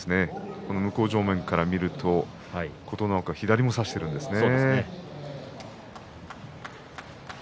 向正面から見ると琴ノ若、左も差しているんですね。